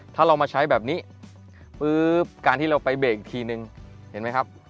ถ้าเรามาใช้แบบนี้ปุ๊บการที่เราไปเบรกอีกทีนึงเห็นไหมครับ